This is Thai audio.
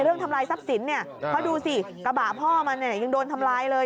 เรื่องทำลายทรัพย์สินเพราะดูสิกระบะพ่อมันยังโดนทำลายเลย